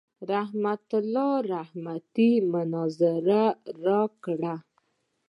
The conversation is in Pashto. رحمت الله رحمتي مناظره راکړه.